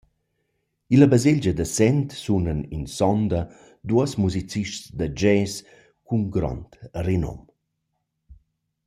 Illa baselgia da Sent sunan in sonda duos musicists da jazz cun grond renom.